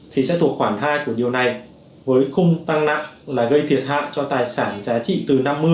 thì sẽ thuộc khoảng hai của điều này với khung tăng nặng là gây thiệt hại cho tài sản giá trị từ năm mươi